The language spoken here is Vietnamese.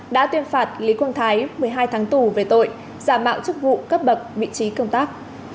đã tuyên phạt lý quang thái một mươi hai tháng tù về tội giả mạo chức vụ cấp bậc vị trí công tác